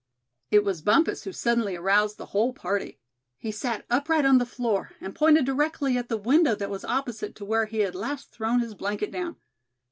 It was Bumpus who suddenly aroused the whole party. He sat upright on the floor, and pointed directly at the window that was opposite to where he had last thrown his blanket down.